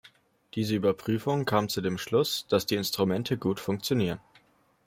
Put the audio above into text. Diese Überprüfung kam zu dem Schluss, dass die Instrumente gut funktionieren.